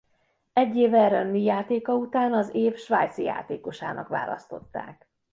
Egy évvel Rennes-i játéka után az év svájci játékosának választották.